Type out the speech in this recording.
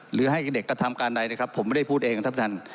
หรือให้เด็กกระทำการใดนะครับผมไม่ได้พูดเองครับท่าน